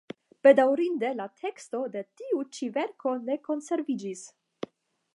Bedaŭrinde la teksto de tiu ĉi verko ne konsreviĝis.